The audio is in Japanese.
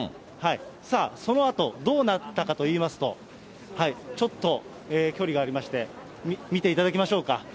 さあ、そのあとどうなったかといいますと、ちょっと距離がありまして、見ていただきましょうか。